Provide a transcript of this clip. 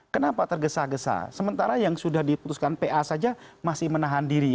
kenapa tergesa gesa sementara yang sudah diputuskan pa saja masih menahan diri